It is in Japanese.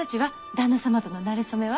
旦那様とのなれ初めは？